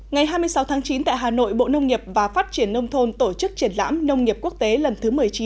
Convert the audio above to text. ngày hai mươi sáu tháng chín tại hà nội bộ nông nghiệp và phát triển nông thôn tổ chức triển lãm nông nghiệp quốc tế lần thứ một mươi chín